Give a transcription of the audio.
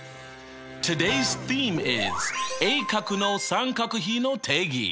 Ｔｏｄａｙ’ｓｔｈｅｍｅｉｓ「鋭角の三角比の定義」。